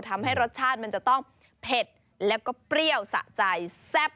ทำให้รสชาติมันจะต้องเผ็ดแล้วก็เปรี้ยวสะใจแซ่บ